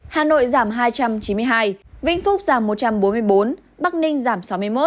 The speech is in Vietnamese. hà nội giảm hai trăm chín mươi hai vĩnh phúc giảm một trăm bốn mươi bốn bắc ninh giảm sáu mươi một